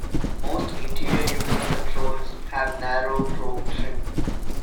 Most interior user controls have narrow chrome trim.